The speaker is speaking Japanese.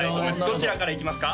どちらからいきますか？